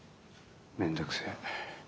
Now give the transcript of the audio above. めんどくせえ。